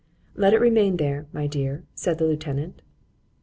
——Let it remain there, my dear, said the lieutenant.